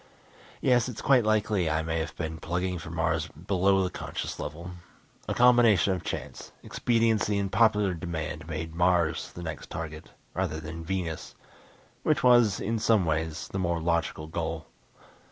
Yes, it's quite likely I may have been plugging for Mars below the conscious level. A combination of chance, expediency and popular demand made Mars the next target, rather than Venus, which was, in some ways, the more logical goal.